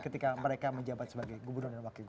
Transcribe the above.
ketika mereka menjabat sebagai gubernur dan wakil gubernur